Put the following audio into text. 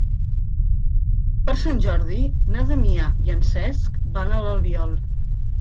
Per Sant Jordi na Damià i en Cesc van a l'Albiol.